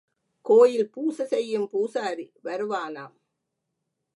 கோயில் பூசை செய்யும் பூசாரி வருவானாம்.